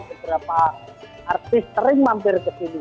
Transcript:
beberapa artis sering mampir ke sini